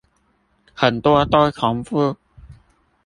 很多都重複